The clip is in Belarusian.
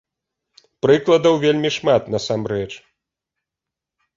Прыкладаў вельмі шмат насамрэч.